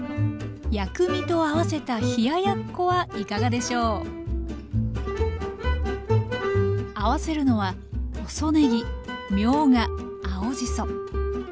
薬味と合わせた冷ややっこはいかがでしょう合わせるのは細ねぎみょうが青じそ。